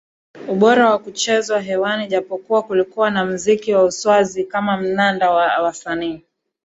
ubora wa kuchezwa hewani Japokuwa kulikuwa na muziki wa uswazi kama mnanda wa wasanii